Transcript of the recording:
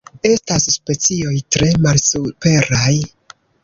Estas specioj tre malsuperaj.